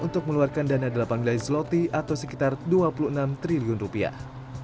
untuk meluarkan dana delapan juta zloty atau sekitar dua puluh enam triliun rupiah